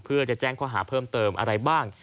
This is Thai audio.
เพื่อจะแจ้งข้อหาเพิ่มเติมอะไรบ้าง